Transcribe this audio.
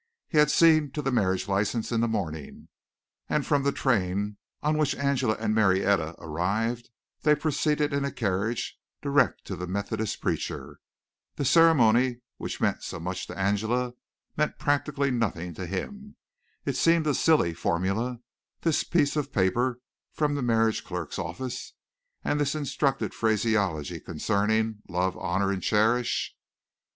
He had seen to the marriage license in the morning, and from the train on which Angela and Marietta arrived they proceeded in a carriage direct to the Methodist preacher. The ceremony which meant so much to Angela meant practically nothing to him. It seemed a silly formula this piece of paper from the marriage clerk's office and this instructed phraseology concerning "love, honor and cherish."